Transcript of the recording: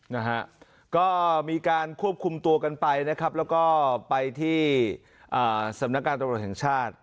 นะฮะก็มีการควบคุมตัวกันไปนะครับแล้วก็ไปที่อ่าสำนักการตำรวจแห่งชาติ